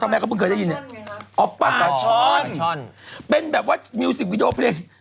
ทำไมเขาเพิ่งเคยได้ยินอ๋อปลาช้อนเป็นแบบว่ามิวสิกวิดีโอเพลง